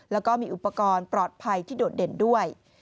แล้วก็มีอุปกรณ์ปลอดภัยที่โดดเด่นด้วย